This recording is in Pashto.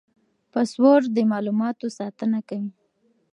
پاسورډ د معلوماتو ساتنه کوي.